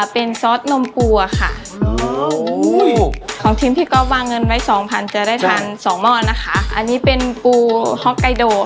เป็นปูทาราบาฮ็อกไก๊โด